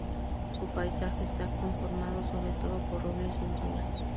Su paisaje está conformado sobre todo por robles y encinas.